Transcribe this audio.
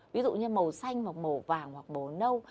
ví dụ như màu xanh hoặc màu vàng hoặc màu nâu